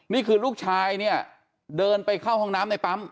นี่คือลูกชายเนี่ยเดินไปเข้าห้องน้ำในปั๊ม